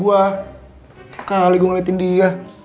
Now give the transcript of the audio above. bukan alih gue ngeliatin dia